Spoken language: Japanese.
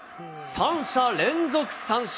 ３者連続三振。